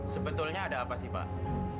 sebetulnya ada apa sih pak